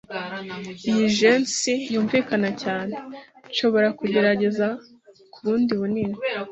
Iyi jeans yunvikana cyane. .Nshobora kugerageza ku bundi bunini?